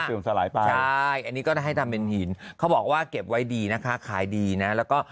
สลายไปใช่อันนี้ก็ได้ให้ทำเป็นหินเขาบอกว่าเก็บไว้ดีนะคะขายดีนะแล้วก็